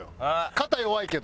肩弱いけど。